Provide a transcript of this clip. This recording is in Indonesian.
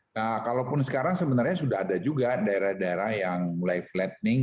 nah kalaupun sekarang sebenarnya sudah ada juga daerah daerah yang mulai flattening